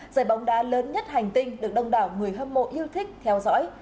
giải bóng đá lớn nhất hành tinh được đông đảo người hâm mộ yêu thích theo dõi